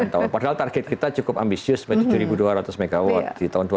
tujuh delapan tahun padahal target kita cukup ambisius tujuh ribu dua ratus mw di tahun dua ribu dua puluh lima